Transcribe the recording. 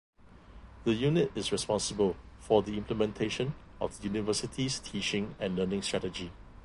The Unit is responsible for the implementation of the university's Teaching and Learning Strategy.